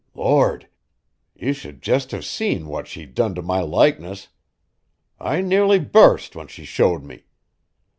Lord! ye should jest have seen wot she done t' my likeness! I nearly bu'st when she showed me.